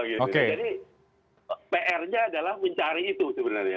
jadi pr nya adalah mencari itu sebenarnya